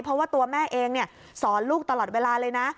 เพราะว่าตัวแม่เองสอนลูกตลอดเวลาเลยนะ